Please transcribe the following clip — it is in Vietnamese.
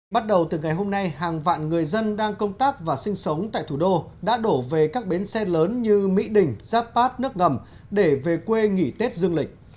bắt đầu từ ngày hôm nay hàng vạn người dân đang công tác và sinh sống tại thủ đô đã đổ về các bến xe lớn như mỹ đình giáp bát nước ngầm để về quê nghỉ tết dương lịch